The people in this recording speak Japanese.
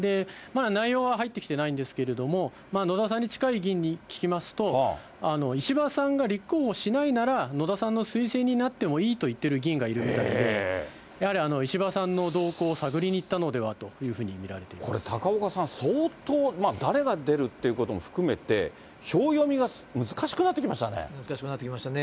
内容は入ってきてないんですけど、野田さんに近い議員に聞きますと、石破さんが立候補しないなら、野田さんの推薦人になってもいいと言っている議員がいるみたいで、やはり石破さんの動向を探りに行ったのではというふうに見られてこれ、高岡さん、相当、誰が出るっていうことも含めて、難しくなってきましたね。